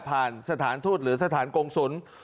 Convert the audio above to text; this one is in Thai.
สถานทูตหรือสถานกงศูนย์